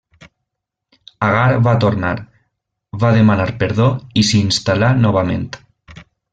Agar va tornar, va demanar perdó i s'instal·là novament.